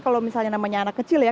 kalau misalnya namanya anak kecil ya